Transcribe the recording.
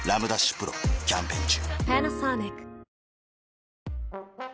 丕劭蓮キャンペーン中